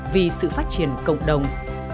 vì sự phát triển cộng đồng